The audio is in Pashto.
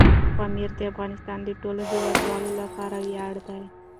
پامیر د افغانستان د ټولو هیوادوالو لپاره ویاړ دی.